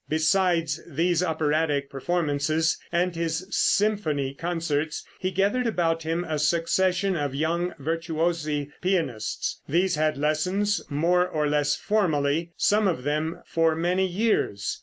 Besides these operatic performances and his symphony concerts, he gathered about him a succession of young virtuosi pianists. These had lessons, more or less formally, some of them for many years.